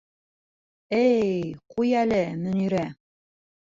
Эй, ҡуй әле, Мөнирә!